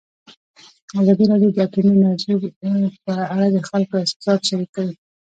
ازادي راډیو د اټومي انرژي په اړه د خلکو احساسات شریک کړي.